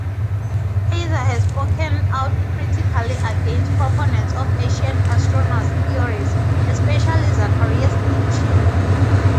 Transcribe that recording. Heiser has spoken out critically against proponents of ancient astronauts theories, especially Zechariah Sitchin.